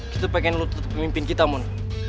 kita pengen lo tetep pemimpin kita mon